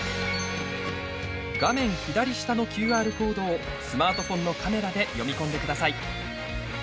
画面左下のＱＲコードをスマートフォンのカメラで読み込んでください。